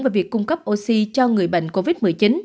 và việc cung cấp oxy cho người bệnh covid một mươi chín